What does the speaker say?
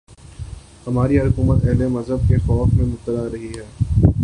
ہماری ہر حکومت اہل مذہب کے خوف میں مبتلا رہی ہے۔